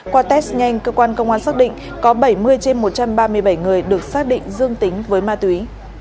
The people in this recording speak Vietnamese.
qua test nhanh cơ quan công an xác định có bảy mươi trên một trăm ba mươi bảy người được xác định dương tính với ma túy